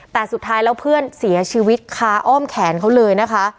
แต่สุดท้ายแล้วเพื่อนเสียชีวิตคาอ้อมแขนเขาเลยนะคะ